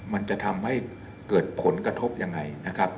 มันจะทำให้เกิดผลกระทบยังไงนะครับ